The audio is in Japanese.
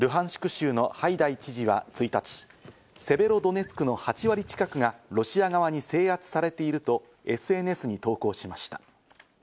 州のハイダイ知事は１日、セベロドネツクの８割近くがロシア側に制圧されているとＳＮＳに投稿しました。